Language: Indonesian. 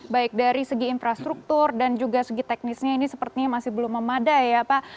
baik dari segi infrastruktur dan juga segi teknisnya ini sepertinya masih belum memadai ya pak